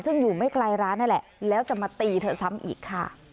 ซึ่งอยู่ไม่ไกลร้านนั่นแหละแล้วจะมาตีเธอซ้ำอีกค่ะ